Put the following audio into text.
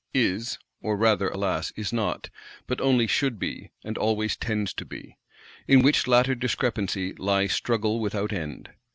Is,—or rather alas, is not; but only should be, and always tends to be! In which latter discrepancy lies struggle without end."